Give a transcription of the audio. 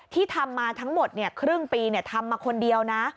ที่ทำมาทั้งหมดครึ่งปีทำมาคนเดียวนะ